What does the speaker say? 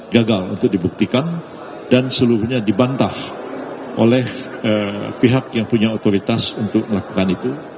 gagal untuk dibuktikan dan seluruhnya dibantah oleh pihak yang punya otoritas untuk melakukan itu